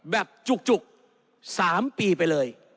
จุก๓ปีไปเลย